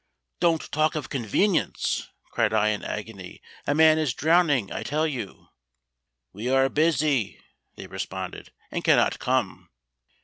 "Don't talk of convenience!" cried I in an agony; "a man is drowning, I tell you!" "We are busy fishing," they responded, "and cannot come."